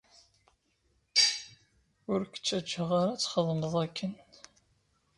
Ur k-ttaǧǧaɣ ara ad txedmeḍ akken.